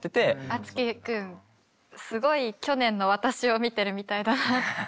あつき君すごい去年の私を見てるみたいだなって。